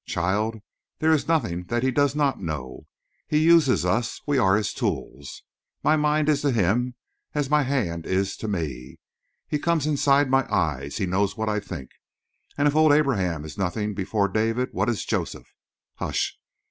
Child, there is nothing that he does not know. He uses us. We are his tools. My mind is to him as my hand is to me. He comes inside my eyes; he knows what I think. And if old Abraham is nothing before David, what is Joseph? Hush!